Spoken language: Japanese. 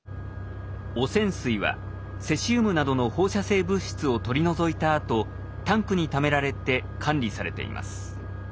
汚染水はセシウムなどの放射性物質を取り除いたあとタンクにためられて管理されています。